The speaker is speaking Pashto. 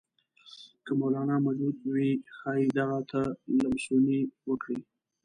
که مولنا موجود وي ښايي دغه ته لمسونې وکړي.